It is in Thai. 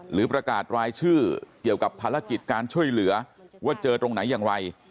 หรือประกาศรายชื่อเกี่ยวกับภารกิจการช่วยเหลือว่าเจอตรงไหนอย่างไร